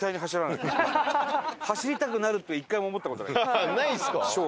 走りたくなるって１回も思った事ない生涯。